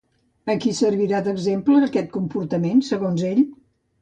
A qui servirà d'exemple aquest comportament, segons ell?